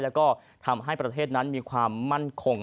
แล้วก็ทำให้ประเทศนั้นมีความมั่นคง